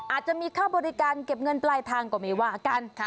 อาจจะมีค่าบริการเก็บเงินปลายทางก็ไม่ว่ากัน